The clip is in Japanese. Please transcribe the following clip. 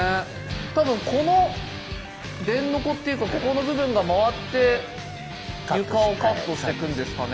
多分この電ノコっていうかここの部分が回って床をカットしていくんですかね。